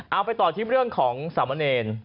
เอาไปต่อที่เรื่องของสามเณร